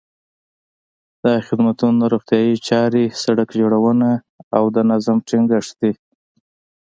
دا خدمتونه روغتیايي چارې، سړک جوړونه او د نظم ټینګښت دي.